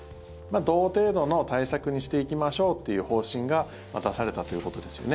同程度の対策にしていきましょうっていう方針が出されたということですよね。